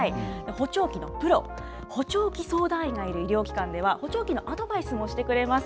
補聴器のプロ、補聴器相談医がいる医療機関では補聴器のアドバイスもしてくれます。